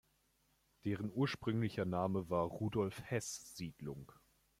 Deren ursprünglicher Name war „Rudolf-Heß-Siedlung“.